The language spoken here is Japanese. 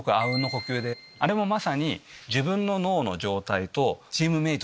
あれもまさに。